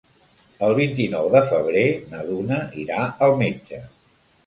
El vint-i-nou de febrer na Duna irà al metge.